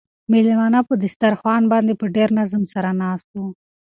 مېلمانه په دسترخوان باندې په ډېر نظم سره ناست وو.